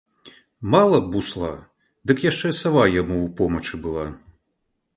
Мала бусла, дык яшчэ сава яму ў помачы была.